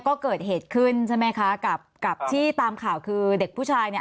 ก็เกิดเหตุขึ้นใช่ไหมคะกับกับที่ตามข่าวคือเด็กผู้ชายเนี่ย